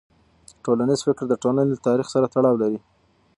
ټولنیز فکر د ټولنې له تاریخ سره تړاو لري.